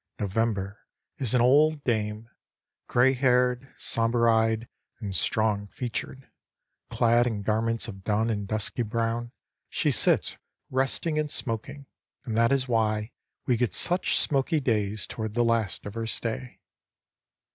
November is an old dame, gray haired, somber eyed and strong featured. Clad in garments of dun and dusky brown, she sits resting and smoking; and that is why we get such smoky days toward the last of her stay.